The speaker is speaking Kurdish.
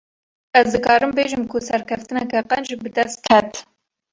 Ez dikarim bêjim ku serkeftineke qenc, bi dest ket